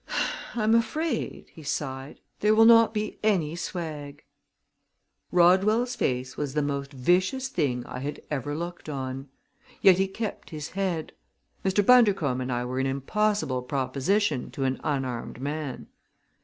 "I am afraid," he sighed, "there will not be any swag." Rodwells face was the most vicious thing I had ever looked on; yet he kept his head. Mr. Bundercombe and I were an impossible proposition to an unarmed man.